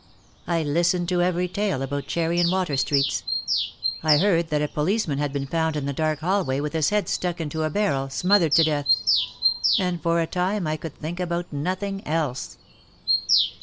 I listened to every tale about Cherry and Water Streets. I heard that a policeman had OUT OF THE SHADOW 105 been found in a dark hallway with his head stuck into a barrel, smothered to death. And for a time I could think about nothing else.